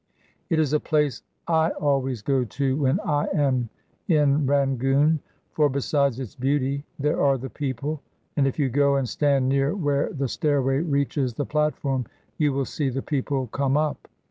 It is a place I always go to when I am in Rangoon; for, besides its beauty, there are the people; and if you go and stand near where the stairway reaches the platform you will see the people come up.